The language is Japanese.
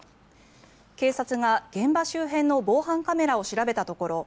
警察が現場周辺の防犯カメラを調べたところ